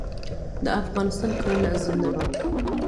د افغانستان کرنه زنده باد.